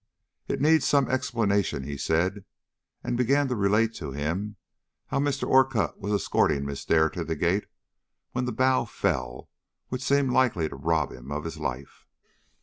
"It needs some explanation," he said; and began to relate to him how Mr. Orcutt was escorting Miss Dare to the gate when the bough fell which seemed likely to rob him of his life.